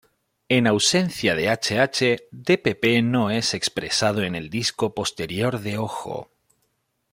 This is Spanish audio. En ausencia de hh, Dpp no es expresado en el disco posterior de ojo.